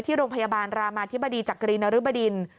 ที่โรงพยาบาลรามาธิบดีจักรีนรึบดิน